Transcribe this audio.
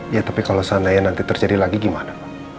ya tapi kalau seandainya nanti terjadi lagi gimana